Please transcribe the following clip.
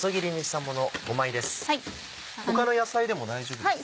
他の野菜でも大丈夫ですか？